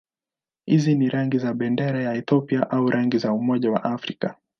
Hizi ni rangi za bendera ya Ethiopia au rangi za Umoja wa Afrika.